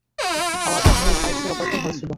আমার আম্মুর পাইলসের অপারেশন হয়েছিলো।